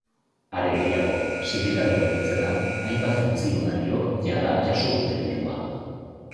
Are gehiago, sindikatuen hitzetan, hainbat funtzionariok jada jaso dute dirua.